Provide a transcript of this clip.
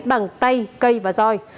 bằng tay cây và roi